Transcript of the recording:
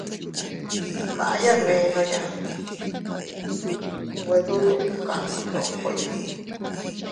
Maʼya dbenoya, nwe dudu kama ndokoya.